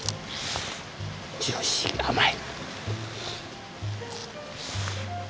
ジューシー甘い！